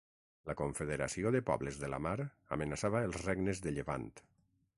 La confederació de pobles de la mar amenaçava els regnes de Llevant.